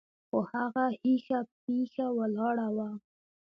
خو هغه هيښه پيښه ولاړه وه.